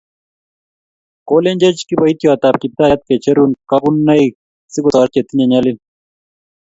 Kolenjech kipoityot ap Kiptaiyat kecheru kagonunoik si kotoret che tinye nyalil